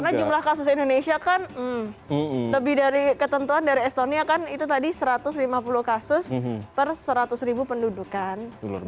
karena jumlah kasus indonesia kan lebih dari ketentuan dari estonia kan itu tadi satu ratus lima puluh kasus per seratus ribu pendudukan